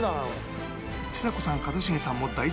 ちさ子さん一茂さんも大絶賛した